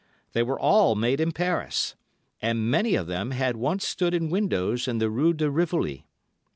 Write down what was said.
They were all made in Paris, and many of them had once stood in windows in the Rue de Rivoli.